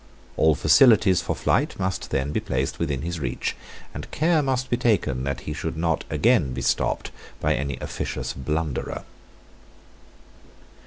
All facilities for flight must then be placed within his reach; and care must be taken that he should not again be stopped by any officious blunderer.